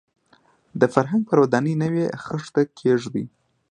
د فرهنګ پر ودانۍ نوې خښته کېږدي.